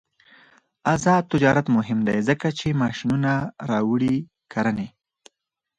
آزاد تجارت مهم دی ځکه چې ماشینونه راوړي کرنې.